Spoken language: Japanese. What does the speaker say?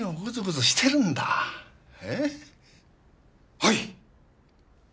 はい！